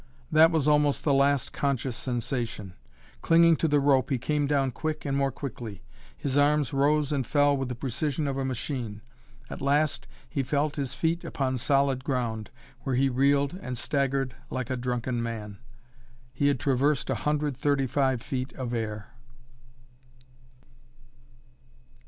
That was almost the last conscious sensation. Clinging to the rope he came down quick and more quickly. His arms rose and fell with the precision of a machine. At last he felt his feet upon solid ground, where he reeled and staggered like a drunken man. He had traversed a hundred thirty five feet of air.